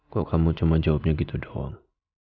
kok kamu cuma jawabnya gitu doang